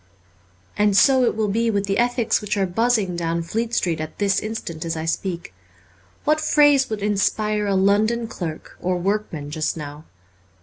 And so it will be with the ethics which are buzzing down Fleet Street at this instant as I speak. What phrase would inspire a London clerk or workman just now